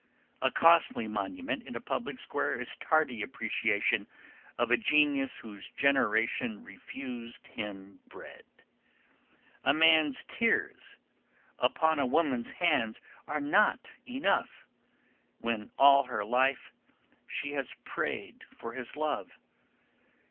A costly monument in a public square is tardy appreciation of a genius whose generation refused him bread. A man's tears upon a woman's hands are not enough, when all her life she has prayed for his love.